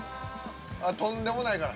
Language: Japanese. とんでもないから。